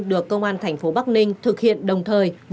được công an tp bắc ninh thực hiện đồng thời